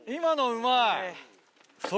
うまい！